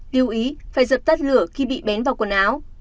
lưu ý phải dập tắt lửa khi bị bén vào quần áo